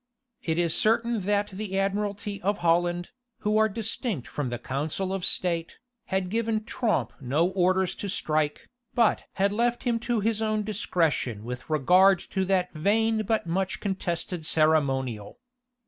It is certain that the admiralty of Holland, who are distinct from the council of state, had given Tromp no orders to strike, but had left him to his own discretion with regard to that vain but much contested ceremonial.